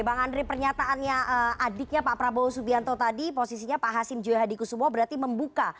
bang andri pernyataannya adiknya pak prabowo subianto tadi posisinya pak hasim joyo hadi kusumo berarti membuka